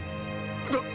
だっ